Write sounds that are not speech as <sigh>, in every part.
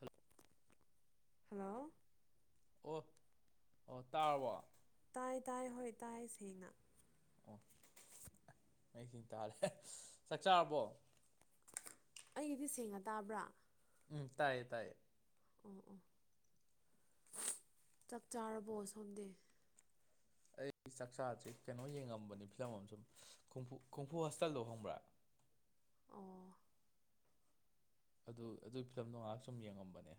Hello hello. ꯑꯣꯑ ꯑꯣ ꯇꯥꯔꯥꯕꯣ꯫ ꯇꯥꯏꯌꯦ ꯇꯥꯏꯌꯦ ꯍꯣꯏ ꯇꯥꯏꯌꯦ ꯁꯦꯡꯅ꯫ ꯑꯣ ꯑꯩꯁꯨ ꯇꯥꯔꯦ ꯆꯥꯛ ꯆꯥꯔꯕꯣ꯫ ꯑꯩꯒꯤꯗꯤ ꯁꯦꯡꯅꯥꯥ ꯇꯥꯕ꯭ꯔꯥ꯫ ꯎꯝꯝ ꯇꯥꯏꯌꯦ ꯇꯥꯏꯌꯦ꯫ ꯑꯣ ꯑꯣ ꯆꯥꯡ ꯆꯥꯔꯕꯣ ꯁꯣꯝꯗꯤ ꯑꯩ ꯕꯨꯗꯤ ꯆꯥꯛ ꯆꯥꯗꯔꯤ ꯀꯩꯅꯣ ꯌꯦꯡꯉꯝꯕꯅꯤ ꯐꯤꯂꯝ ꯑꯃꯥ ꯁꯨꯝ ꯈꯨꯝꯐꯨ ꯍꯣꯁꯇꯦꯜꯗꯧ ꯈꯪꯕ꯭ꯔꯥ ꯑꯣꯑꫭ ꯑꯗꯨ ꯑꯗꯨꯒꯤ ꯐꯤꯂꯝꯗꯣ ꯉꯥꯏꯍꯥꯛ ꯁꯨꯝ ꯌꯦꯡꯉꯝꯕꯅꯤ꯫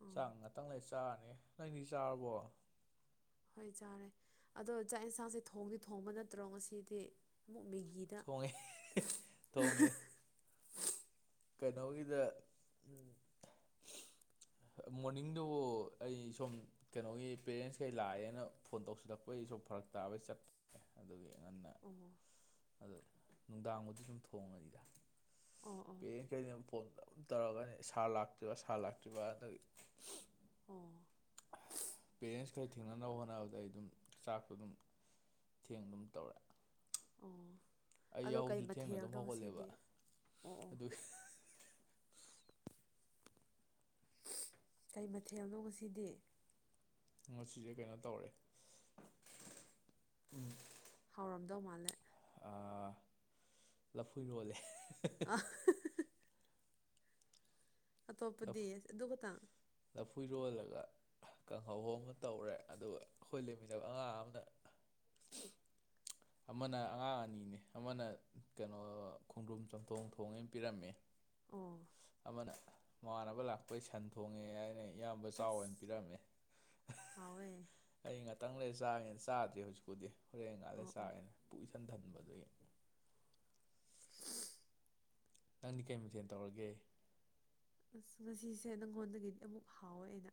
ꯑꯣ ꯆꯥꯡ ꯉꯥꯛꯇꯪ ꯂꯩꯒꯥ ꯆꯥꯔꯥꯅꯤ꯫ ꯅꯪꯗꯤ ꯆꯥꯔꯕꯣ? ꯍꯣꯏ ꯆꯥꯔꯦ ꯑꯗꯣ ꯆꯥꯛ ꯌꯦꯟꯁꯥꯡꯁꯦ ꯊꯣꯡꯗꯤ ꯊꯣꯡꯕ ꯅꯠꯇ꯭ꯔꯣ ꯉꯁꯤꯗꯤ ꯑꯃꯨꯛ ꯃꯦꯒꯤ ꯊꯣꯡꯉꯦ ꯊꯣꯡꯉꯦ ꯀꯩꯅꯣꯒꯤꯗ ꯎ <inaudible> ꯃꯣꯔꯅꯤꯡꯗꯨꯕꯨ ꯑꯩ ꯁꯨꯝ ꯀꯩꯅꯣꯒꯤ ꯄꯦꯔꯦꯟꯁꯈꯩ ꯂꯥꯛꯑꯦꯅ ꯐꯣꯟ ꯇꯧꯁꯤꯜꯂꯛꯄꯩꯁꯨ ꯐꯔꯛ ꯇꯥꯕꯩ ꯆꯠꯄ <inaudible> ꯑꯗꯨ ꯅꯨꯡꯗꯥꯡꯕꯨꯗꯤ ꯗꯨꯝ ꯊꯣꯡꯉꯅꯤꯗ꯫ ꯑꯣ ꯑꯣ ꯄꯦꯔꯦꯟ ꯀꯩꯩꯅ ꯐꯣꯟ ꯑꯗꯨꯝ ꯇꯧꯔꯒꯅꯤ ꯁꯥꯔ ꯂꯥꯛꯇ꯭ꯔꯤꯕ ꯁꯥꯔ ꯂꯥꯛꯇ꯭ꯔꯤꯕ ꯑꯗꯨꯏ ꯑꯣ ꯄꯦꯔꯦꯟꯁ ꯈꯔ ꯊꯦꯡꯅꯅꯕ ꯍꯣꯠꯅꯕꯗ ꯑꯩ ꯑꯗꯨꯝ ꯆꯥꯛꯇꯣ ꯑꯗꯨꯝ ꯊꯦꯡ ꯑꯗꯨꯝ ꯇꯧꯔꯦ꯫ ꯑꯣ ꯑꯩ ꯑꯗꯣ ꯀꯩ ꯌꯥꯍꯧꯁꯨ ꯊꯦꯡꯅ ꯑꯗꯨꯝ ꯃꯊꯦꯜꯅꯣ ꯍꯧꯒꯠꯂꯦꯕ ꯉꯁꯤꯗꯤ ꯑꯣ ꯑꯣ ꯑꯗꯨꯒꯤ ꯀꯩ ꯃꯊꯦꯜꯅꯣ ꯉꯁꯤꯗꯤ꯫ ꯃꯁꯤꯁꯦ ꯀꯩꯅꯣ ꯇꯧꯔꯦ ꯎꯝ ꯍꯥꯎꯔꯝꯗꯧ ꯃꯥꯜꯂꯦ꯫ ꯂꯐꯨꯏꯔꯣꯜꯂꯦ꯫ <unintelligible> ꯑꯇꯣꯞꯄꯗꯤ ꯂꯐꯨ ꯑꯁ ꯑꯗꯨꯈꯛꯇꯡ꯫ ꯂꯐꯨ ꯏꯔꯣꯜꯂꯒ ꯀꯥꯡꯪꯍꯧ ꯑꯃ ꯇꯧꯔꯦ ꯑꯗꯨꯒ ꯑꯩꯈꯣꯏ ꯂꯩꯃꯤꯟꯅꯕ ꯑꯉꯥꯡ ꯑꯃꯅ <inaudible> ꯑꯃꯅ ꯑꯉꯥꯡ ꯑꯅꯤꯅꯦ ꯑꯃꯅ ꯀꯩꯅꯣ ꯈꯣꯡꯗ꯭ꯔꯨꯝ ꯆꯝꯊꯣꯡ ꯊꯣꯡꯉꯣꯅ ꯄꯤꯔꯝꯃꯦ꯫ ꯑꯣ ꯑꯃꯅ ꯃꯃꯥꯟꯅꯕ ꯂꯥꯛꯄꯩ ꯁꯟ ꯊꯣꯡꯉꯦ ꯍꯥꯏꯅ ꯑꯩ ꯏꯌꯥꯝꯕ ꯆꯥꯎꯅ ꯑꯁ ꯄꯤꯔꯝꯃꯦ꯫ ꯍꯥꯎꯋꯦ ꯑꯩ ꯉꯥꯛꯇꯪ ꯂꯩ ꯆꯥꯒꯦꯅ ꯆꯥꯗ꯭ꯔꯤ ꯍꯧꯖꯤꯛꯄꯨꯗꯤ ꯍꯣꯔꯦꯟ ꯉꯥꯏꯂ ꯑꯣ ꯑꯣ ꯆꯥꯔꯤꯦꯅ ꯄꯨꯛ ꯏꯊꯟ ꯊꯟꯕꯗꯨꯒꯤ꯫ <inaudible> ꯅꯪꯗꯤ ꯀꯩ ꯃꯦꯟꯊꯦꯟ ꯇꯧꯔꯒꯦ꯫ ꯑꯁ ꯉꯁꯤꯁꯦ ꯅꯪꯉꯣꯟꯗꯒꯤꯗꯤ ꯑꯃꯨꯛ ꯍꯥꯎꯋꯦ ꯑꯩꯅ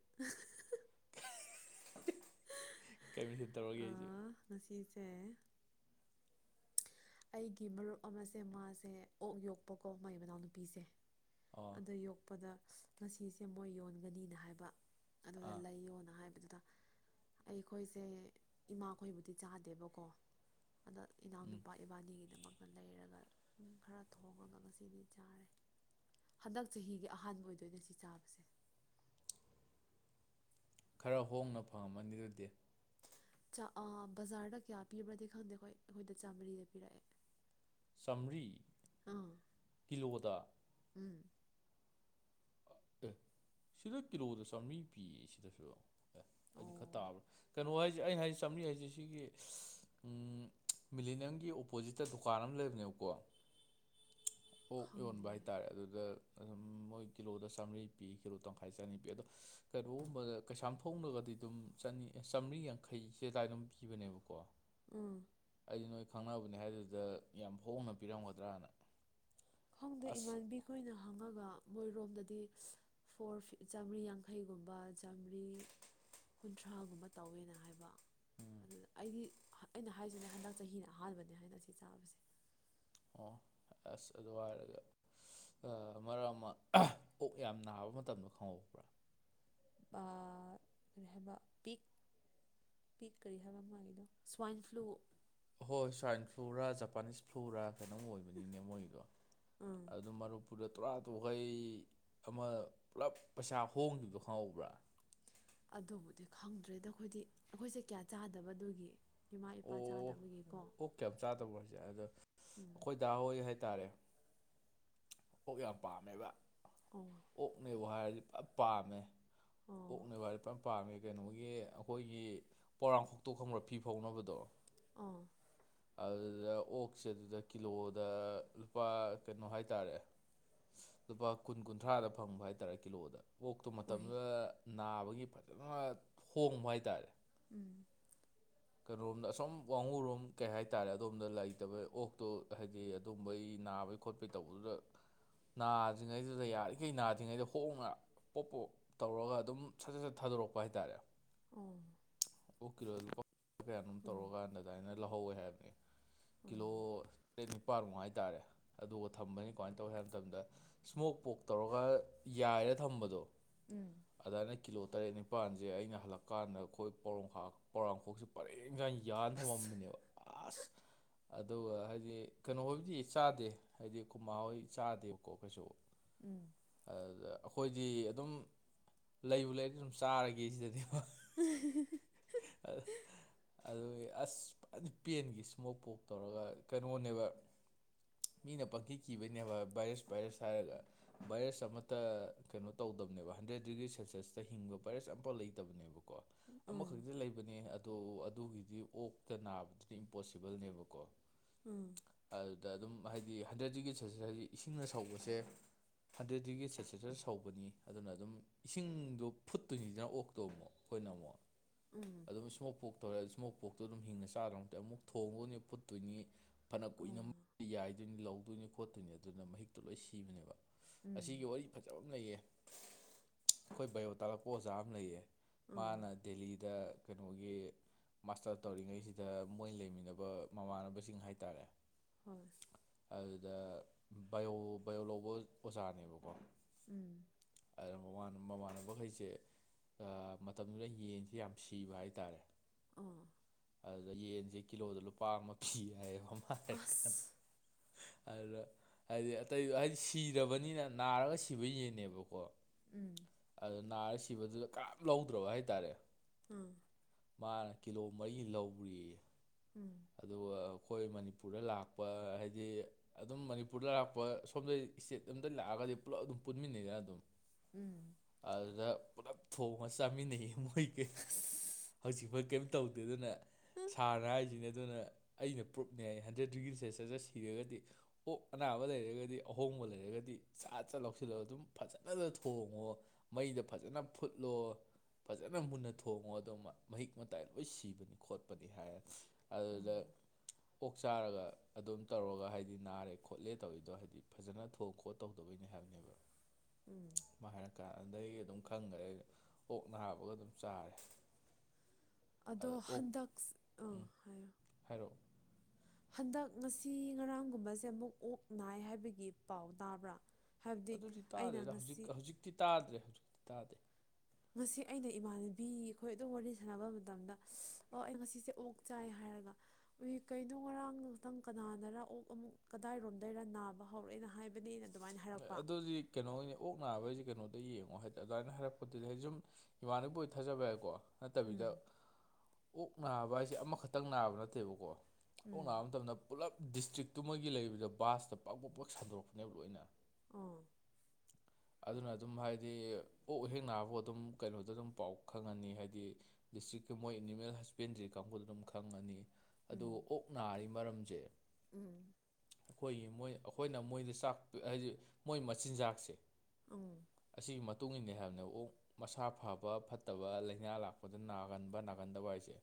ꯀꯩꯃꯊꯦꯜꯇꯧꯔꯒꯦ ꯍꯩꯁꯦ꯫ ꯑꯥ ꯉꯁꯤꯁꯦ꯫ ꯑꯩꯒꯤ ꯃꯔꯨꯞ ꯑꯃꯁꯦ ꯃꯥꯁꯦ ꯑꯣꯛ ꯌꯣꯛꯄꯀꯣ ꯃꯩ ꯃꯅꯥꯎꯅꯨꯄꯤꯁꯦ꯫ ꯑꯣ ꯑꯗꯣ ꯌꯣꯛꯄꯗ ꯉꯁꯤꯁꯦ ꯃꯣꯏ ꯌꯣꯟꯒꯅꯤꯅ ꯍꯥꯏꯕ ꯑꯗꯨꯗ ꯑꯥ ꯂꯩꯌꯣꯅ ꯍꯥꯏꯕꯗꯨꯗ ꯑꯩꯈꯣꯏꯁꯦ ꯏꯃꯥꯈꯣꯏꯕꯨꯗꯤ ꯆꯥꯗꯦꯕꯀꯣ ꯑꯗ ꯏꯅꯥꯎꯅꯨ ꯎꯝ ꯑꯅꯤꯒꯤꯗꯃꯛꯇ ꯂꯩꯔꯒ ꯈꯔ ꯊꯣꯡꯉꯒ ꯉꯁꯤꯗꯤ ꯆꯥꯔꯦ꯫ ꯍꯟꯗꯛ ꯆꯍꯤꯒꯤ ꯑꯍꯥꯟꯕ ꯑꯣꯏꯗꯣꯏꯅꯦ ꯁꯤ ꯆꯥꯕꯁꯦ꯫ ꯈꯔ ꯍꯣꯡꯅ ꯐꯪꯉꯝꯃꯅꯤ ꯑꯗꯨꯗꯤ ꯕꯖꯥꯔꯗ ꯀꯌꯥ ꯄꯤꯕ꯭ꯔꯗꯤ ꯈꯪꯗꯦ ꯑꯩꯈꯣꯏ ꯑꯩꯈꯣꯏꯗ ꯆꯥꯝꯃꯔꯤꯗ ꯄꯤꯔꯛꯑꯦ꯫ ꯆꯥꯝꯔꯤ ꯑꯥ ꯀꯤꯂꯣꯗ ꯎꯝ ꯑꯦ ꯁꯤꯗ ꯀꯤꯂꯣꯗ ꯆꯥꯃꯔꯤ ꯄꯤꯌꯦ ꯁꯤꯗꯁꯨ ꯑꯦ ꯑꯩꯗꯤ ꯑꯣ ꯈꯔ ꯇꯥꯕ꯭ꯔꯥ ꯀꯩꯅꯣ ꯍꯥꯏꯁꯦ ꯑꯩꯩꯅ ꯍꯥꯏꯁꯦ ꯆꯝꯅꯤ ꯍꯥꯏꯁꯦ꯫ ꯁꯤꯒꯤ ꯃꯤꯂꯦꯅꯤꯌꯝꯒꯤ ꯑꯣꯄꯣꯖꯤꯠꯇ ꯗꯨꯀꯥꯟ ꯑꯃ ꯂꯩꯕꯅꯦꯕꯀꯣ <inaudible> ꯑꯣꯛ ꯌꯣꯟꯕ ꯍꯥꯏꯇꯥꯔꯦ ꯑꯗꯨꯗ ꯑꯗꯨꯝ ꯃꯣꯏ ꯀꯤꯂꯣꯗ ꯆꯥꯝꯔꯤ ꯄꯤ ꯀꯤꯂꯣ ꯇꯪꯈꯥꯏ ꯆꯅꯤ ꯄꯤ ꯑꯗꯣ ꯀꯩꯅꯣꯒꯨꯝꯕꯗ ꯀꯩꯁꯥꯝ ꯊꯣꯡꯉꯒꯗꯤ ꯑꯗꯨꯝ ꯆꯥꯝꯃꯔꯤ ꯌꯥꯡꯈꯩꯁꯦ ꯑꯗꯨꯗꯥꯏ ꯑꯗꯨꯝ ꯄꯤꯕꯅꯦꯕꯀꯣ ꯎꯝ ꯑꯩꯗꯤ ꯅꯣꯏ ꯈꯪꯅꯕꯅꯦ ꯍꯥꯏꯗꯨꯗ ꯌꯥꯝ ꯍꯣꯡꯅ ꯄꯤꯔꯝꯒꯗ꯭ꯔꯅ ꯈꯪꯗ ꯑꯁ ꯏꯃꯥꯟꯕꯤꯈ ꯑꯣꯏꯅ ꯍꯪꯉꯒ ꯃꯣꯏꯔꯣꯝꯗꯗꯤ ꯐꯣꯔ ꯆꯥꯝꯃꯔꯤ ꯌꯥꯡꯈꯩꯒꯨꯝꯕ ꯆꯥꯝꯃꯔꯤ ꯀꯨꯟꯊ꯭ꯔꯥꯒꯨꯝꯕ ꯇꯧꯋꯦꯅ ꯍꯥꯏꯕ꯫ ꯎꯝ ꯑꯗꯨꯗ ꯑꯩꯗꯤ ꯑꯩꯅ ꯍꯥꯏꯁꯤꯅꯦ ꯍꯟꯗꯛ ꯆꯍꯤꯅ ꯑꯍꯥꯟꯕꯅꯦ ꯍꯥꯏꯅ ꯁꯤ ꯆꯥꯕꯁꯦ꯫ ꯑꯣ ꯑꯁ ꯑꯗꯨ ꯍꯥꯏꯔꯒ ꯑ ꯃꯔꯛ ꯑꯃ ꯑꯥ ꯑꯣꯛ ꯌꯥꯝ ꯅꯥꯕ ꯃꯇꯝꯗ ꯈꯪꯍꯧꯕ꯭ꯔꯥ? ꯑꯥ ꯀꯔꯤ ꯍꯥꯏꯕ ꯄꯤꯛ ꯄꯤꯛ ꯀꯔꯤ ꯍꯥꯏꯕ ꯃꯥꯒꯤꯗꯣ ꯁ꯭ꯋꯥꯏꯟ ꯐ꯭ꯂꯨ꯫ ꯑꯍꯣꯏ ꯁ꯭ꯋꯥꯏꯟ ꯐ꯭ꯂꯨꯔꯥ ꯖꯄꯥꯅꯤꯁ ꯐ꯭ꯂꯨꯔꯥ ꯀꯩꯅꯣꯝ ꯑꯣꯏꯕꯅꯤꯅꯦ ꯃꯣꯏꯒꯤꯗꯣ ꯑꯥ ꯑꯗꯨ ꯃꯔꯨꯞ ꯄꯨꯔ ꯇꯣꯔꯥ ꯇꯨꯈꯩ ꯑꯃ ꯄꯨꯂꯞ ꯄꯩꯁꯥ ꯍꯣꯡꯈꯤꯕꯗꯣ ꯈꯪꯍꯧꯕ꯭ꯔꯥ ꯑꯗꯨꯕꯨꯗꯤ ꯈꯪꯗ꯭ꯔꯦꯗ ꯑꯩꯈꯣꯏꯗꯤ ꯑꯩꯈꯣꯏꯁꯦ ꯀꯌꯥ ꯆꯥꯗꯕꯗꯨꯒꯤ ꯏꯃꯥ ꯏꯄꯥ ꯆꯥꯗꯕꯒꯤꯀꯣ ꯌꯥꯝ ꯆꯥꯗꯕꯔꯣ ꯑꯗ ꯎꯝ ꯑꯩꯈꯣꯏ ꯗꯥ ꯍꯣꯏꯒꯤ ꯍꯥꯏꯇꯥꯔꯦ ꯑꯣꯛ ꯌꯥꯝ ꯄꯥꯝꯃꯦꯕ ꯎꯝ ꯑꯣꯛꯅꯦꯕꯨ ꯍꯥꯏꯔꯗꯤ ꯐ ꯄꯥꯝꯃꯦ ꯑꯣ ꯑꯣꯛꯅꯦꯕꯨ ꯍꯥꯏꯔꯗꯤ ꯐ ꯄꯥꯝꯃꯦ ꯀꯩꯅꯣꯒꯤ ꯑꯩꯈꯣꯏꯒꯤ ꯄꯣꯂꯥꯡꯈꯣꯛꯇꯣꯛꯇꯣ ꯈꯪꯕ꯭ꯔ ꯐꯤ ꯐꯧꯅꯕꯗꯣ ꯑꯥ ꯑꯗꯨꯗ ꯑꯣꯛꯁꯦ ꯑꯗꯨꯗ ꯀꯤꯂꯣꯗ ꯂꯨꯄꯥ ꯀꯩꯅꯣ ꯍꯥꯏꯇꯥꯔꯦ ꯂꯨꯄꯥ ꯀꯨꯟ ꯀꯨꯟꯊ꯭ꯔꯥꯗ ꯐꯪꯕ ꯍꯥꯏꯇꯥꯔꯦ ꯀꯤꯂꯣꯗ ꯑꯣꯛꯇꯨ ꯑꯣꯏ ꯃꯇꯝꯗꯨꯗ ꯅꯥꯕꯒꯤ ꯐꯖꯅ ꯍꯣꯡꯕ ꯍꯥꯏꯇꯥꯔꯦ ꯎꯝ ꯀꯩꯅꯣꯔꯣꯝꯗ ꯑꯁꯨꯝ ꯋꯥꯉꯨꯔꯣꯝ ꯀꯩ ꯍꯥꯏꯇꯥꯔꯦ ꯑꯗꯣꯝꯗ ꯂꯩꯇꯕ ꯑꯣꯛꯇꯣ ꯍꯥꯏꯗꯤ ꯑꯗꯨꯝꯕꯩ ꯅꯥꯕꯩ ꯈꯣꯠꯄꯩ ꯇꯧꯕꯗꯨꯗ ꯅꯥꯗ꯭ꯔꯤꯉꯩꯗꯨꯗ ꯌꯥꯔꯤꯈꯩ ꯅꯥꯗ꯭ꯔꯤꯉꯩꯗ ꯍꯣꯡꯅ ꯄꯣꯞ ꯄꯣꯞ ꯇꯧꯔꯒ ꯑꯗꯨꯝ ꯁꯠ ꯁꯠ ꯁꯠ ꯊꯥꯗꯣꯔꯛꯄ ꯍꯥꯏꯇꯥꯔꯦ ꯑꯣ ꯑꯣꯛ ꯀꯤꯂꯣꯗ ꯂꯨꯄꯥ ꯀꯌꯥꯅꯣꯝ ꯎꯝ ꯇꯧꯔ ꯀꯥꯟꯗ ꯑꯗꯥꯏꯅ ꯂꯧꯍꯧꯋꯦ ꯍꯥꯏꯕꯅꯤ ꯀꯤꯂꯣ ꯑꯣ <unintelligible> <unintelligible> ꯍꯥꯏꯇꯥꯔꯦ ꯑꯗꯨꯒ ꯊꯝꯕꯅꯤ ꯀꯃꯥꯏꯅ ꯇꯧꯒꯦ ꯍꯥꯏꯕ ꯃꯇꯝꯗ ꯏ꯭ꯁꯃꯣꯛ ꯄꯣꯔꯛ ꯇꯧꯔꯒ ꯌꯥꯏꯔ ꯊꯝꯕꯗꯣ ꯎꯝ ꯑꯗꯥꯅ ꯀꯤꯂꯣ ꯇꯔꯦꯠ ꯅꯤꯄꯥꯜꯁꯦ ꯑꯩꯅ ꯍꯜꯂꯛꯀꯥꯟꯗ ꯑꯈꯣꯏ ꯄꯣꯔꯪꯈꯥꯛ ꯄꯣꯂꯥꯡ ꯈꯣꯛꯁꯦ ꯄꯔꯦꯡꯁꯥꯟ ꯌꯥꯟ ꯑꯁ ꯊꯝꯃꯝꯕꯤꯅꯦꯕ ꯑꯁ ꯑꯗꯨꯒ ꯍꯥꯏꯗꯤ ꯀꯩꯅꯣꯍꯣꯏꯕꯗꯤ ꯆꯥꯗꯦ ꯍꯥꯏꯗꯤ ꯈꯨꯃꯥ ꯍꯣꯏ ꯆꯥꯗꯦꯕꯀꯣ ꯀꯩꯁꯨ ꯎꯝ ꯑꯗꯨꯗ ꯑꯩꯈꯣꯏꯗꯤ ꯑꯗꯨꯝ ꯂꯩꯕꯨ ꯂꯩꯔꯗ ꯑꯗꯨꯝ ꯆꯥꯔꯒꯦ ꯁꯤꯗꯅꯦꯕ ꯑꯍꯍꯍ ꯑ ꯑꯗꯨꯒꯤ ꯑꯁ ꯐꯟ ꯄꯦꯟꯒꯤ ꯏ꯭ꯁꯃꯣꯛ ꯄꯣꯛ ꯇꯧꯔꯒ ꯀꯩꯅꯣꯅꯦꯕ ꯃꯤꯅ ꯄꯪꯀꯤ ꯀꯤꯕꯩꯅꯦꯕ ꯚꯥꯏꯔꯁ ꯚꯥꯏꯔꯁ ꯍꯥꯏꯔꯒ ꯚꯥꯏꯔꯁ ꯑꯃꯇ ꯀꯩꯅꯣ ꯇꯧꯗꯕꯅꯦꯕ ꯍꯟꯗ꯭ꯔꯦꯠ ꯗꯤꯒ꯭ꯔꯤ ꯁꯦꯜꯁꯤꯌꯁꯇ ꯍꯤꯡꯕ ꯚꯥꯏꯔꯁ ꯑꯝꯐꯥꯎ ꯂꯩꯇꯕꯅꯦꯕ ꯀꯣ ꯎꯝ ꯑꯃꯈꯛꯇꯤ ꯂꯩꯕ ꯅꯦ ꯑꯗꯣ ꯑꯗꯨꯒꯤꯗꯤ ꯑꯣꯛꯇ ꯅꯥꯕꯗꯨꯅ ꯏꯝꯄꯣꯁꯤꯕꯜꯅꯦꯕꯀꯣ ꯎꯝ ꯑꯗꯨꯗ ꯑꯗꯨꯝ ꯍꯥꯏꯗꯤ ꯍꯥꯟꯗ꯭ꯔꯦꯠ ꯗꯤꯒ꯭ꯔꯤ ꯁꯦꯜꯁꯤꯌꯁ ꯍꯥꯏꯁꯦ ꯏꯁꯤꯡꯅ ꯁꯧꯕꯁꯦ ꯍꯟꯗ꯭ꯔꯦꯠ ꯗꯤꯒ꯭ꯔꯤ ꯁꯦꯜꯁꯤꯌꯁꯇ ꯁꯧꯕꯅꯤ ꯑꯗꯨꯅ ꯑꯗꯨꯝ ꯏꯁꯤꯡꯗꯣ ꯐꯨꯠꯇꯣꯏꯅꯤꯗꯅ ꯑꯣꯛꯇꯣ ꯑꯃꯨꯛ ꯑꯩꯈꯣꯏꯅ ꯑꯃꯨꯛ ꯎꯝ ꯑꯗꯨꯝ ꯏꯁꯃꯣꯛ ꯄꯣꯛ ꯇꯧꯔꯦ ꯏꯁꯃꯣꯛ ꯄꯣꯛꯇꯣ ꯑꯗꯨꯝ ꯍꯤꯡꯅ ꯆꯥꯗꯣꯏ ꯅꯠꯇꯦ ꯑꯃꯨꯛ ꯊꯣꯡꯗꯣꯏꯅꯤ ꯐꯨꯠꯇꯣꯏꯅꯤ ꯐꯅ ꯀꯨꯏꯅ ꯑꯣ ꯌꯥꯏꯗꯣꯏꯅꯤ ꯂꯧꯗꯣꯏꯅꯤ ꯈꯣꯠꯇꯣꯏꯅꯤ ꯑꯗꯨꯅ ꯃꯍꯤꯛꯇꯣ ꯂꯣꯏ ꯁꯤꯕꯅꯦꯕ ꯎꯝ ꯑꯁꯤꯒꯤ ꯋꯥꯔꯤ ꯐꯖꯕ ꯑꯃ ꯂꯩꯌꯦ ꯑꯩꯈꯣꯏ ꯕꯥꯏꯌꯣ ꯇꯥꯛꯂꯛꯄ ꯑꯣꯖꯥ ꯑꯃ ꯂꯩꯌꯦ ꯃꯥꯅ ꯎꯝ ꯗꯦꯜꯂꯤꯗ ꯀꯩꯅꯣꯒꯤ ꯃꯥꯁꯇꯔ ꯇꯧꯔꯤꯉꯩꯁꯤꯗ ꯃꯣꯏ ꯂꯩꯃꯤꯟꯅꯕ ꯃꯃꯥꯟꯅꯕꯁꯤꯡ ꯍꯥꯏꯇꯥꯔꯦ ꯍꯣꯏ ꯑꯗꯨꯗ ꯕꯥꯏꯑꯣ ꯕꯥꯏꯑꯣ ꯂꯧꯕ ꯑꯣꯖꯥꯅꯦꯕꯀꯣ <inaudible> <inaudible> <inaudible> ꯑꯗꯨꯗ ꯌꯦꯟꯁꯦ ꯀꯤꯂꯣꯗ ꯂꯨꯄꯥ ꯑꯃ ꯄꯤ ꯍꯥꯏꯌꯦꯕ ꯃꯥ ꯀ ꯑꯁ ꯑꯗꯨꯗ ꯍꯥꯏꯗꯤ ꯑꯇꯩꯗ ꯍꯥꯏꯗꯤ ꯁꯤꯔꯕꯅꯤꯅ ꯅꯥꯔꯒ ꯁꯤꯕ ꯌꯦꯡꯅꯦꯕꯀꯣ <inaudible> ꯑꯗ ꯅꯥꯔ ꯁꯤꯕꯗꯨꯗ ꯀꯔꯝ ꯂꯧꯗ꯭ꯔꯕ ꯍꯥꯏꯇꯥꯔꯦ ꯎꯝ ꯃꯥꯅ ꯀꯤꯂꯣ ꯃꯔꯤ ꯂꯧꯧꯕꯔꯤꯌꯦ <inaudible> ꯑꯗꯨꯒ ꯑꯩꯈꯣꯏ ꯃꯅꯤꯄꯨꯔꯗ ꯂꯥꯛꯄ ꯍꯥꯏꯗꯤ ꯑꯗꯨꯝ ꯃꯅꯤꯄꯨꯔꯗ ꯂꯥꯛꯄ ꯁꯣꯝꯗ ꯏꯁꯇꯦꯠ ꯑꯝꯗꯒꯤ ꯂꯥꯛꯑꯒꯗꯤ ꯄꯨꯜꯂꯞ ꯑꯗꯨꯝ ꯄꯨꯟꯃꯤꯟꯅꯩꯗꯅ ꯑꯗꯨꯝ <inaudible> ꯑꯗꯨꯗ ꯄꯨꯂꯞ ꯊꯣꯡꯉ ꯆꯥꯃꯤꯟꯅꯩ ꯃꯣꯏꯒꯩ ꯍꯧꯖꯤꯛꯃꯛ ꯀꯩ ꯇꯧꯗꯦ ꯑꯗꯨꯅ ꯁꯥꯔꯅ ꯍꯥꯏꯔꯤꯁꯤꯅ ꯑꯗꯨꯅ ꯑꯩꯅ ꯄ꯭ꯔꯨꯞꯅꯦ ꯌꯥꯏ ꯍꯟꯗ꯭ꯔꯦꯠ ꯗꯤꯒ꯭ꯔꯤ ꯁꯦꯜꯁꯤꯌꯁꯇ ꯁꯤꯔꯒꯗꯤ ꯑꯣꯛ ꯑꯅꯥꯕ ꯂꯩꯔꯒꯗꯤ ꯑꯍꯣꯡꯕ ꯂꯩꯔꯒꯗꯤ ꯆ ꯆꯠ ꯂꯧꯁꯤꯜꯂꯒ ꯑꯗꯨꯝ ꯐꯖꯅꯅ ꯊꯣꯡꯉꯣ ꯃꯩꯗ ꯐꯖꯅ ꯐꯨꯠꯂꯣ ꯐꯖꯅ ꯃꯨꯟꯅ ꯊꯣꯡꯉꯣ ꯑꯗꯣ ꯃꯍꯤꯛ ꯃꯇꯥꯏ ꯂꯣꯏ ꯁꯤꯕꯅꯤ ꯈꯣꯠꯄꯅꯤ ꯍꯥꯏꯔ ꯑꯗꯨꯗ ꯑꯣꯛ ꯆꯥꯔꯒ ꯑꯗꯨꯝ ꯇꯧꯔꯒ ꯍꯥꯏꯗꯤ ꯅꯥꯔꯦ ꯈꯣꯠꯂꯦ ꯇꯧꯏꯗꯣ ꯍꯥꯏꯗꯤ ꯐꯖꯅ ꯊ ꯈꯣꯠ ꯇꯧꯗꯩꯅꯦ ꯍꯥꯏꯕꯅꯦꯕ ꯎꯝ ꯍꯥꯏꯔ ꯀꯥꯟ ꯑꯗꯒꯤ ꯑꯗꯨꯝ ꯈꯪꯈ꯭ꯔꯦ ꯑꯩ ꯑꯣꯛ ꯍꯥꯞꯕꯒ ꯑꯗꯨꯝ ꯆꯥꯔꯦ ꯑꯗꯣ ꯑꯗ ꯑꯣꯛ ꯍꯟꯗꯛꯁ ꯑꯣ ꯎꯝ ꯍꯥꯌꯌꯣ <inaudible> ꯍꯟꯗꯛ ꯉꯁꯤ ꯉꯔꯥꯡꯒꯨꯝꯕꯁꯦ ꯑꯃꯨꯛ ꯑꯣꯛ ꯅꯥꯏ ꯍꯥꯏꯕꯒꯤ ꯄꯥꯎ ꯇꯥꯕ꯭ꯔꯥ ꯍꯥꯏꯕꯗꯤ ꯑꯩꯅ ꯉꯁꯤ ꯍꯧꯛꯇꯤ ꯇꯥꯗ꯭ꯔꯦ ꯍꯧꯖꯤꯛꯇꯤ ꯇꯥꯗꯦ ꯉꯁꯤ ꯑꯩꯅ ꯏꯃꯥꯟꯅꯕꯤ ꯑꯩꯈꯣꯏ ꯑꯗꯨꯝ ꯋꯥꯔꯤ ꯁꯥꯟꯅꯕ ꯃꯇꯝꯗ ꯑꯣ ꯑꯩ ꯉꯁꯤꯁꯦ ꯑꯣꯛ ꯆꯥꯏ ꯍꯥꯏꯔꯒ ꯎꯏ ꯀꯩꯅꯣ ꯉꯔꯥꯡꯗꯇꯪ ꯀꯅꯥꯅꯔ ꯑꯣꯛ ꯑꯃꯨꯛ ꯀꯗꯥꯏꯔꯣꯝꯗꯔ ꯅꯥꯕ ꯍꯧꯔꯛꯦꯅ ꯍꯥꯏꯕꯅꯤꯅ ꯑꯗꯨꯗꯤ ꯀꯩꯅꯣꯒꯤꯅꯤ ꯑꯣꯛ ꯅꯥꯕ ꯍꯥꯏꯁꯤꯦ ꯀꯩꯅꯣꯗ ꯌꯦꯡꯉꯣ ꯍꯥꯏꯗꯤ ꯑꯗꯨꯃꯥꯏꯅ ꯍꯥꯏꯔꯛꯄꯗꯗꯤ ꯍꯥꯏꯗꯤ ꯁꯨꯝ ꯏꯃꯥꯅꯕꯨꯣꯏ ꯊꯥꯖꯕ ꯍꯥꯏꯏꯀꯣ ꯅꯠꯇꯕꯤꯗ ꯎꯝ ꯑꯣꯛ ꯅꯥꯕ ꯍꯥꯏꯁꯦ ꯑꯃꯈꯛꯇꯪ ꯅꯥꯕ ꯅꯠꯇꯦꯕꯀꯣ ꯑ ꯎꯝ ꯅꯥꯕ ꯃꯇꯝꯗ ꯄꯨꯜꯂꯞ ꯗꯤꯁꯇ꯭ꯔꯤꯛꯇꯨꯃꯒꯤ ꯂꯩꯕꯗ ꯕꯥꯁꯇ ꯄꯛ ꯄꯣꯛ ꯄꯛ ꯁꯟꯗꯣꯔꯛꯄꯅꯦꯕ ꯂꯣꯏꯅ ꯑꯣ ꯑꯗꯨꯅ ꯑꯗꯨꯝ ꯍꯥꯏꯗꯤ ꯑꯣꯛ ꯀꯦꯛ ꯅꯕꯥꯒꯥ ꯕꯨꯑꯗꯨꯝ ꯀꯩꯅꯣꯗ ꯑꯗꯨꯝ ꯄꯥꯎ ꯈꯪꯉꯅꯤ ꯍꯥꯏꯗꯤ ꯗꯤꯁꯇ꯭ꯔꯤꯛꯀꯤ ꯃꯣꯏ ꯑꯦꯅꯤꯃꯦꯜ ꯍꯁꯕꯦꯟꯗ꯭ꯔꯤ ꯀꯥꯡꯕꯨꯗ ꯑꯗꯨꯝ ꯈꯪꯉꯅꯤ ꯑꯗꯨ ꯎꯝ ꯑꯣꯛ ꯅꯥꯔꯤ ꯃꯔꯝꯁꯦ ꯎꯝ ꯍꯣꯏꯌꯦ ꯑꯏꯈꯣꯌꯅ ꯃꯣꯏꯗ ꯆꯥꯛ ꯍꯥꯏꯗꯤ ꯃꯣꯏ ꯃꯆꯤꯟꯖꯥꯛꯁꯦ <inaudible> ꯑꯁꯤꯒꯤ ꯃꯇꯨꯡ ꯏꯟꯅ ꯍꯥꯏꯕꯅꯦ ꯑꯣꯛ ꯃꯁꯥ ꯐꯕ ꯐꯠꯇꯕ ꯂꯥꯏꯅꯥ ꯂꯥꯛꯄꯗ ꯅꯥꯒꯟꯕ ꯅꯥꯒꯟꯗꯕ ꯍꯥꯏꯁꯦ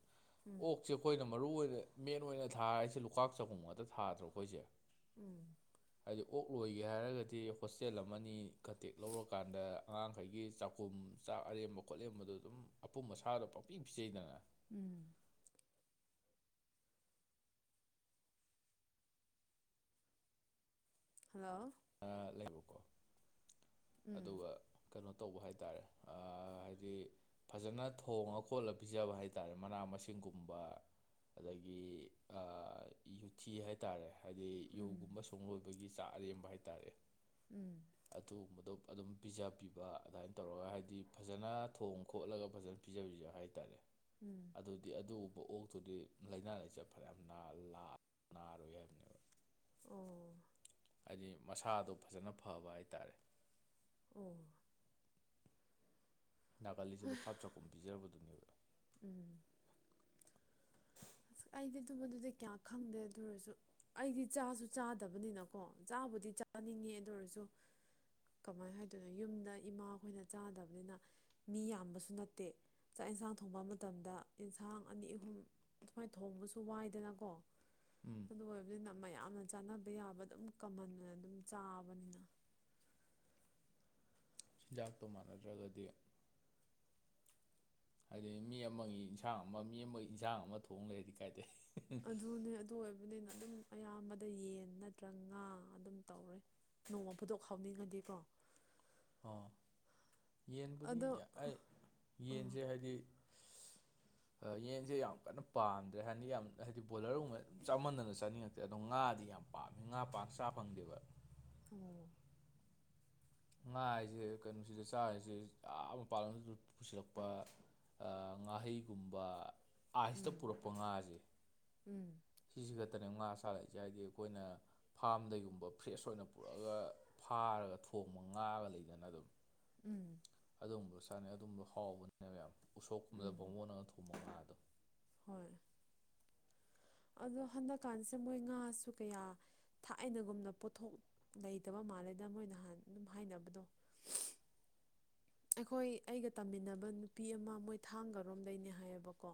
ꯎꯝ ꯑꯣꯛꯁꯦ ꯑꯩꯈꯣꯏꯅ ꯃꯔꯨ ꯑꯣꯏꯅ ꯃꯦꯟ ꯑꯣꯏꯅ ꯊꯥꯔꯤꯁꯦ ꯂꯨꯀꯥꯛ ꯆꯥꯛꯈꯨꯝ ꯉꯥꯛꯇ ꯊꯥꯗ꯭ꯔꯣ ꯑꯩꯈꯣꯏꯁꯦ ꯎꯟ ꯍꯥꯏꯗꯤ ꯑꯣꯛ ꯂꯣꯏꯒꯦ ꯍꯥꯏꯔꯒꯗꯤ ꯍꯣꯁꯇꯦꯜ ꯑꯃꯅꯤ ꯀꯟꯠꯦꯛ ꯂꯧꯔꯀꯥꯟꯗ ꯑꯉꯥꯡꯈꯩꯒꯤ ꯆꯥꯛꯈꯨꯝ ꯆꯥꯛ ꯑꯔꯦꯝꯕ ꯈꯣꯠꯂꯦꯝꯕꯗꯣ ꯑꯗꯨꯝ ꯑꯄꯨꯝ ꯑꯆꯥ ꯗꯣꯍ ꯄꯥꯡꯄꯤ ꯄꯤ ꯖꯩꯗꯅ ꯎꯝ ꯍꯦꯂꯂꯤ ꯂꯩꯕꯀꯣ ꯎꯝ ꯑꯗꯨꯒ ꯀꯩꯅꯣ ꯇꯧꯕ ꯍꯥꯏꯇꯥꯔꯦ ꯍꯥꯏꯗꯤ ꯐꯖꯅ ꯊꯣꯡꯉ ꯈꯣꯠꯂ ꯄꯤꯖꯕ ꯍꯥꯏ ꯇꯥꯔꯦ ꯃꯅꯥ ꯃꯁꯤꯡꯒꯨꯝꯕ ꯑꯗꯒꯤ ꯑꯥ ꯌꯨꯊꯤ ꯍꯥꯏꯇꯥꯔꯦ ꯍꯥꯏꯗꯤ ꯎꯝ ꯌꯨꯒꯨꯝꯕ ꯁꯨꯡ ꯂꯣꯏꯕꯒꯤ ꯆꯥꯛ ꯑꯔꯦꯝꯕ ꯍꯥꯏ ꯎꯝ ꯑꯗꯨ ꯒꯨꯝꯕꯗꯣ ꯑꯗꯨꯝ ꯄꯤꯖ ꯄꯤꯕ ꯑꯗꯨꯃꯥꯏꯅ ꯇꯧꯔꯒ ꯍꯥꯏꯗꯤ ꯐꯖꯅ ꯊꯣꯡ ꯈꯣꯠꯂꯒ ꯐꯖꯅ ꯄꯤꯖꯕꯤꯕ ꯍꯥꯏꯇꯥꯔꯦ ꯎꯝ ꯑꯗꯨꯗꯤ ꯑꯗꯨꯒꯨꯝꯕ ꯑꯣꯛꯇꯨꯗꯤ ꯂꯥꯏꯅꯥ ꯂꯥꯏꯆꯠ ꯐꯅ ꯌꯥꯝ ꯅꯥꯔꯣꯏ ꯍꯥꯏꯕꯅꯦꯕ ꯑꯣ ꯍꯥꯏꯗꯤ ꯃꯁꯥꯗꯣ ꯐꯖꯅ ꯐꯕ ꯍꯥꯏꯇꯥꯔꯦ ꯑꯣ ꯅꯥꯒꯜꯂꯤꯁꯦ ꯂꯨꯈꯥꯛ ꯆꯒꯨꯝ ꯄꯤꯖꯕꯗꯨꯅꯦꯕ ꯎꯝ ꯑꯁ ꯑꯩꯗꯤ ꯑꯗꯨꯝꯕꯗꯨꯗꯤ ꯀꯌꯥ ꯈꯪꯗꯦ ꯑꯗꯨ ꯑꯣꯏꯔꯁꯨ ꯑꯩꯗꯤ ꯆꯥꯁꯨ ꯆꯥꯗꯕꯅꯤꯅꯀꯣ ꯆꯥꯕꯨꯗꯤ ꯆꯥꯅꯤꯡꯉꯦ ꯑꯗꯨ ꯑꯣꯏꯔꯁꯨ ꯀꯃꯥꯏꯅ ꯍꯥꯏꯗꯣꯏꯅꯣ ꯌꯨꯝꯗ ꯏꯃꯥꯈꯣꯏꯅ ꯆꯥꯗꯕꯅꯤꯅ ꯃꯤ ꯌꯥꯝꯕꯁꯨ ꯅꯠꯇꯦ ꯆꯥꯛ ꯌꯦꯟꯁꯥꯡ ꯊꯣꯡꯕ ꯃꯇꯝꯗ ꯑꯦꯟꯁꯥꯡ ꯑꯅꯤ ꯑꯍꯨꯝ ꯑꯗꯨꯃꯥꯏꯅ ꯊꯣꯡꯕꯁꯨ ꯋꯥꯏꯗꯅꯀꯣ ꯎꯝ ꯑꯗꯨ ꯑꯣꯏꯕꯅꯤꯅ ꯃꯌꯥꯝꯅ ꯆꯥꯅꯕ ꯌꯥꯕ ꯑꯗꯨꯝ ꯀꯃꯟ ꯑꯣꯏꯅ ꯑꯗꯨꯝ ꯆꯥꯕꯅꯤꯅ ꯆꯤꯟꯖꯥꯛꯇꯣ ꯃꯥꯟꯅꯗ꯭ꯔꯒꯗꯤ ꯍꯥꯏꯗꯤ ꯃꯤ ꯑꯃꯒꯤ ꯏꯟꯁꯥꯡ ꯑꯃ ꯃꯤ ꯑꯃꯒꯤ ꯏꯟꯁꯥꯡ ꯑꯃ ꯊꯣꯡ ꯂꯩꯔꯗꯤ ꯀꯥꯏꯗꯩ ꯑꯗꯨꯅꯦ ꯑꯗꯨ ꯑꯣꯏꯕꯅꯤꯅ ꯑꯗꯨꯝ ꯑꯌꯥꯝꯕꯗ ꯌꯦꯟ ꯅꯠꯇ꯭ꯔꯒ ꯉꯥ ꯑꯗꯨꯝ ꯇꯧꯔꯦ ꯅꯣꯡꯃ ꯐꯗꯣꯛ ꯍꯥꯎꯅꯤꯡꯉꯗꯤꯀꯣ ꯑꯣ ꯌꯦꯟꯕꯨꯗꯤ ꯑꯗꯣ ꯑꯩ ꯑꯥ ꯌꯦꯟꯁꯦ ꯍꯥꯏꯗꯤ <unintelligible> ꯌꯦꯟꯁꯦ ꯌꯥꯝ ꯀꯟꯅ ꯄꯥꯝꯗ꯭ꯔꯦ ꯍꯥꯟꯅꯗꯤ ꯌꯥꯝ ꯍꯥꯏꯗꯤ ꯕꯣꯏꯂꯔꯒꯨꯝꯕ ꯆꯥꯃꯟꯗꯅ ꯆꯥꯅꯤꯡꯉꯛꯇꯔꯧ ꯑꯗꯣ ꯉꯥꯗꯤ ꯌꯥꯝ ꯄꯥꯝꯃꯤ ꯉꯥ ꯄꯥꯛ ꯆꯥ ꯐꯪꯗꯦꯕ ꯑꯣ ꯉꯥ ꯍꯥꯏꯁꯦ ꯀꯩꯅꯣꯁꯤꯗ ꯆꯥꯔꯤꯁꯦ ꯑꯥ ꯃꯄꯥꯜ ꯂꯝꯗꯩꯁꯨ ꯄꯨꯁꯤꯜꯂꯛꯄ ꯉꯥꯍꯩꯒꯨꯝꯕ ꯑꯥꯏꯁꯇ ꯎꯝ ꯄꯨꯔꯛꯄ ꯉꯥꯁꯦ ꯎꯝ ꯁꯤꯖꯤ ꯈꯛꯇꯅꯦ ꯉꯥ ꯆꯥꯔꯛꯏꯁꯦ ꯍꯥꯏꯗꯤ ꯑꯩꯈꯣꯏꯅ ꯐꯥꯔꯝꯗꯩꯒꯨꯝꯕ ꯐ꯭ꯔꯦꯁ ꯑꯣꯏꯅ ꯄꯨꯔꯛꯑꯒ ꯐꯥꯔꯒ ꯊꯣꯡꯕ ꯉꯥꯒ ꯂꯩꯗꯅ ꯑꯗꯨꯝ ꯎꯝ ꯑꯗꯨꯒꯨꯝꯕ ꯆꯥꯅꯩ ꯑꯗꯨꯨꯝꯕ ꯍꯥꯎꯕꯅꯦꯕ ꯌꯥꯝ ꯎꯁꯣꯞꯀꯨꯝꯕꯗ ꯎꯝ ꯕꯥꯃꯣꯟꯅ ꯍꯣꯏ ꯑꯗꯣ ꯍꯟꯗꯛꯀꯥꯟꯁꯦ ꯃꯣꯏ ꯉꯥꯁꯨ ꯀꯌꯥ ꯊꯥꯏꯅꯒꯨꯝꯅ ꯄꯣꯠꯊꯣꯛ ꯂꯩꯇꯕ ꯃꯥꯜꯂꯦꯗ ꯃꯣꯏ ꯅꯍꯥꯟ ꯑꯗꯨꯝ ꯍꯥꯏꯅꯕꯗꯣ ꯑꯩꯈꯣꯏ ꯑꯩꯒ ꯇꯝꯃꯤꯟꯅꯕ ꯅꯨꯄꯤ ꯑꯃ ꯃꯣꯏ ꯊꯥꯡꯒꯔꯣꯝ ꯗꯩꯅꯦ ꯍꯥꯏꯌꯦꯕꯀꯣ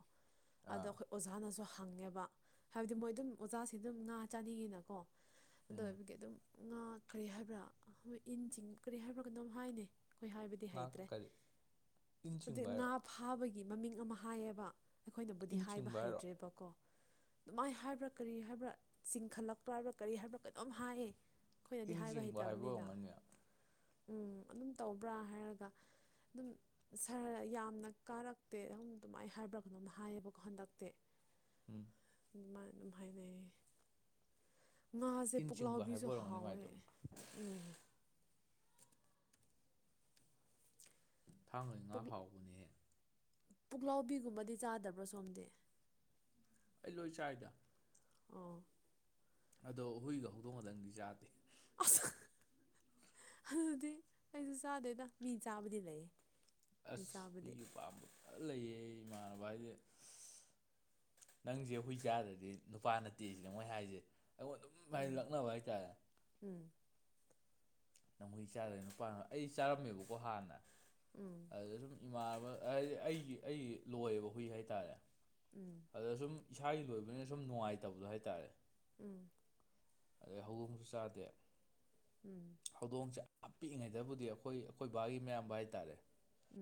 ꯑꯗꯣ ꯑꯥ ꯑꯩꯈꯣꯏ ꯑꯣꯖꯥꯅꯁꯨ ꯍꯪꯉꯦꯕ ꯍꯥꯏꯕꯗꯤ ꯃꯣꯏ ꯑꯗꯨꯝ ꯑꯣꯖꯥꯁꯤ ꯑꯗꯨꯝ ꯉꯥ ꯆꯥꯅꯤꯡꯉꯤꯅꯀꯣ ꯑꯗꯨ ꯎꯝ ꯑꯣꯏꯕꯒꯤ ꯑꯗꯨꯝ ꯉꯥ ꯀꯔꯤ ꯍꯥꯏꯕ꯭ꯔ ꯏꯟ ꯆꯤꯡ ꯀꯔꯤ ꯍꯥꯏꯕ꯭ꯔ ꯀꯩꯅꯣꯝ ꯍꯥꯏꯅꯦ ꯑꯩꯈꯣꯏ ꯍꯥꯏꯕꯗꯤ ꯉꯥ ꯍꯩꯇ꯭ꯔꯦ ꯀꯔꯤ ꯏꯟ ꯍꯧꯖꯤꯛ ꯆꯤꯡꯕ ꯉꯥ ꯍꯥꯏꯔꯣ ꯐꯥꯕꯒꯤ ꯃꯃꯤꯡ ꯑꯃ ꯍꯥꯏꯌꯦꯕ ꯑꯩꯈꯣꯏꯅꯕꯨꯗꯤ ꯏꯟ ꯍꯥꯏꯕ ꯆꯤꯡꯕ ꯍꯥꯏꯔꯣ ꯍꯩꯇ꯭ꯔꯦꯕꯀꯣ ꯑꯗꯨꯃꯥꯏꯅ ꯍꯥꯏꯕ꯭ꯔ ꯀꯔꯤ ꯍꯥꯏꯕ꯭ꯔ ꯆꯤꯡꯈꯠꯂꯛꯄ ꯍꯥꯏꯕ꯭ꯔ ꯀꯔꯤ ꯍꯥꯏꯕ꯭ꯔ ꯀꯩꯅꯣꯝ ꯍꯥꯏꯌꯦ ꯑꯩꯈꯣꯏꯅꯗꯤ ꯏꯟ ꯍꯥꯏꯕ ꯆꯤꯡꯕ ꯍꯩꯇꯕꯅꯤꯅ ꯑꯣꯏꯔꯝꯒꯅꯤ ꯎꯝ ꯑꯗꯨꯝ ꯇꯧꯕ꯭ꯔꯥ ꯍꯥꯏꯔꯒ ꯑꯗꯨꯝ ꯁꯥꯔ ꯌꯥꯝꯅ ꯀꯥꯔꯛꯇꯦ ꯑꯗꯨꯝ ꯑꯗꯨꯃꯥꯏꯅ ꯍꯥꯏꯕ꯭ꯔꯥ ꯀꯩꯅꯣꯝ ꯍꯥꯏꯌꯦꯕꯀꯣ ꯍꯟꯗꯛꯇꯤ ꯎꯝ ꯑꯗꯨꯃꯥꯏ ꯑꯗꯨꯝ ꯍꯥꯏꯅꯩꯌꯦ ꯉꯥꯁꯦ ꯏꯟ ꯆꯤꯡꯕ ꯄꯨꯛꯂꯥꯎꯕꯤꯁꯨ ꯍꯥꯏꯕ ꯑꯣꯏꯔꯝꯒꯅꯤ ꯍꯥꯎꯋꯦ ꯃꯥꯏꯗꯣ ꯎꯝ ꯊꯥꯡꯒꯒꯤ ꯉꯥ ꯄꯨꯛ ꯍꯥꯎꯕꯅꯦꯍꯦ ꯄꯨꯛꯂꯥꯎꯕꯤꯒꯨꯝꯕꯗꯤ ꯆꯥꯗꯕ꯭ꯔ ꯁꯣꯝꯗꯤ ꯑꯩꯂꯣꯏ ꯆꯥꯏꯗ ꯑꯣ ꯑꯗꯣ ꯍꯨꯏꯒ ꯍꯧꯗꯣꯡ ꯈꯗꯪꯗꯤ ꯌꯥꯥꯗꯦ ꯑꯁ ꯑꯗꯨꯗꯤ ꯑꯩꯁꯨ ꯆꯥꯗꯦꯗ ꯃꯤ ꯆꯥꯕꯗꯤ ꯂꯩꯌꯦ ꯃꯤ ꯑꯁ ꯆꯥꯕꯗꯤ ꯍꯨꯏꯒꯤ ꯄꯥꯝꯕ ꯈꯔ ꯂꯩꯌꯦ ꯏꯃꯥꯟꯅꯕ ꯍꯥꯏꯁꯦ ꯅꯪꯁꯦ ꯍꯨꯏ ꯆꯥꯗ꯭ꯔꯗꯤ ꯅꯨꯄꯥ ꯅꯠꯇꯦ ꯁꯤꯅ ꯃꯣꯏ ꯍꯥꯏꯁꯦ ꯑꯩꯉꯣꯟꯗ ꯑꯗꯨꯝ ꯍꯥꯏꯗꯤ ꯎꯝ ꯂꯛꯅꯕ ꯍꯥꯏꯇꯥꯔꯦ ꯎꯝ ꯅꯈꯣꯏꯒꯤ ꯆꯥꯗꯣꯏ ꯅꯨꯄꯥꯅ ꯑꯩ ꯆꯥꯔꯝꯃꯦꯕꯀꯣ ꯍꯥꯟꯅ ꯎꯝ ꯑꯗꯨꯗ ꯁꯨꯝ ꯏꯃꯥꯟꯅꯕ ꯍꯥꯏꯗꯤ ꯑꯩꯒꯤ ꯑꯩꯒꯤ ꯂꯣꯏꯌꯦꯕ ꯍꯨꯏ ꯍꯥꯏꯇꯥꯔꯦ ꯎꯝ ꯑꯗ ꯁꯨꯝ ꯏꯁꯥꯒꯤ ꯂꯣꯏꯕꯅꯤꯅ ꯁꯨꯝ ꯅꯨꯡꯉꯥꯏꯇꯕꯗꯣ ꯍꯥꯏꯇꯥꯔꯦ ꯎꯝ ꯑꯗꯩ ꯍꯧꯗꯣꯡꯁꯨ ꯆꯥꯗꯦ ꯎꯝ ꯍꯧꯗꯣꯡꯁꯦ ꯌꯥꯝ ꯄꯤꯛꯏꯉꯩꯗꯕꯨꯗꯤ ꯑꯩꯈꯣꯏ ꯑꯩꯈꯣꯏ ꯕꯥꯒꯤ ꯃꯌꯥꯝꯕ ꯍꯥꯏꯇꯥꯔꯦ ꯎꯝ